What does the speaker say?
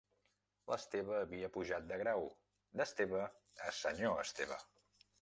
L'Esteve havia pujat de grau: d'Esteve a senyor Esteve.